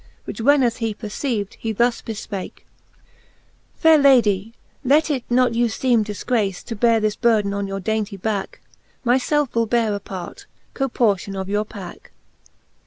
Which when as he perceiv'd, he thus bcfpake j Faire Lady, let it not you feeme difgrace. To beare this burden on your dainty backe ; Myfelfe will beare a part, coportion of your packe.